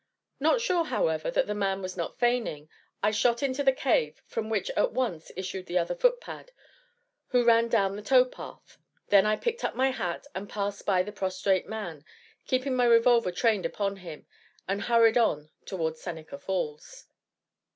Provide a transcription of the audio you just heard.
Not sure, however, that the man was not feigning, I shot into the cave, from which at once issued the other footpad, who ran down the tow path. Then I picked up my hat and passed by the prostrate man, keeping my revolver trained upon him, and hurried on toward Seneca Falls.